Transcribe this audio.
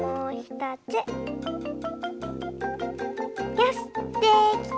よしできた！